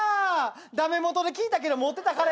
ダメ元で聞いたけど持ってた彼。